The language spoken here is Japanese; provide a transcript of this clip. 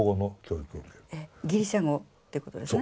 ギリシャ語っていうことですね。